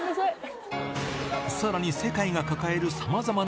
さらに世界が抱えるさまざま